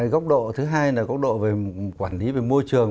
góc độ thứ hai là góc độ quản lý về môi trường